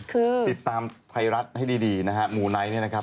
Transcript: คือติดตามไทยรัฐให้ดีนะฮะหมู่ไนท์เนี่ยนะครับ